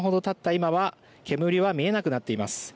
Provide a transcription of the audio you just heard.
今は煙は見えなくなっています。